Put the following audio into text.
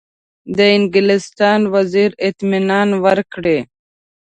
د انګلستان وزیر اطمینان ورکړی.